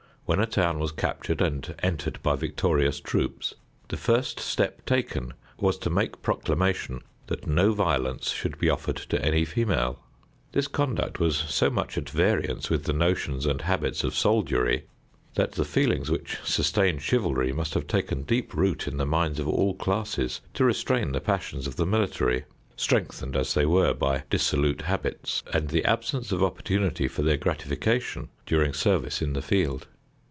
When a town was captured and entered by victorious troops, the first step taken was to make proclamation that no violence should be offered to any female. This conduct was so much at variance with the notions and habits of soldiery, that the feelings which sustained chivalry must have taken deep root in the minds of all classes to restrain the passions of the military, strengthened as they were by dissolute habits, and the absence of opportunity for their gratification during service in the field.